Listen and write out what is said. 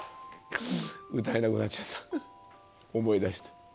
歌えなくなっちゃった、思い出して。